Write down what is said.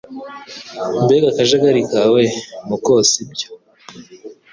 mbega akajagari kawe muko sibyo